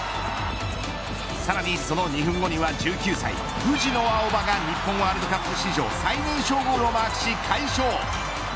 さらにその２分後には１９歳藤野あおばが日本ワールドカップ史上最年少ゴールをマークし快勝。